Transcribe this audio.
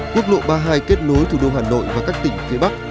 quốc lộ ba mươi hai kết nối thủ đô hà nội và các tỉnh phía bắc